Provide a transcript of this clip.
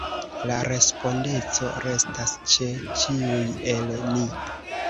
La respondeco restas ĉe ĉiuj el ni.